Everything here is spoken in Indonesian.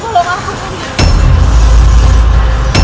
dia merasakan verdi ini